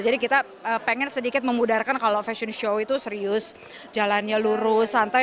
jadi kita pengen sedikit memudarkan kalau fashion show itu serius jalannya lurus santai